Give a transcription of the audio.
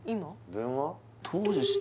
電話？